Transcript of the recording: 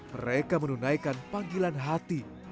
mereka menunaikan panggilan hati